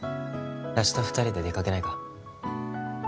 明日２人で出かけないか？